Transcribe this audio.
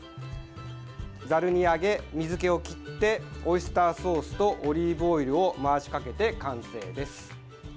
ざるに上げ、水けを切ってオイスターソースとオリーブオイルを回しかけて完成です。